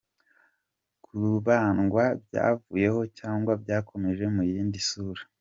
Kubandwa byavuyeho cyangwa byakomeje mu yindi sura?.